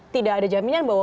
tidak ada jaminan bahwa